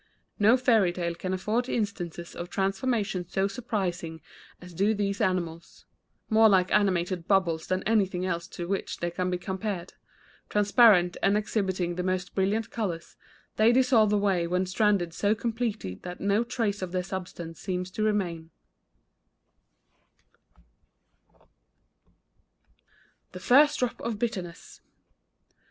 No fairy tale can afford instances of transformations so surprising as do these animals more like animated bubbles than anything else to which they can be compared; transparent and exhibiting the most brilliant colors, they dissolve away when stranded so completely that no trace of their substance seems to remain. [Illustration: THE FIRST DROP OF BITTERNESS.] THE FIRST DROP OF BITTERNESS.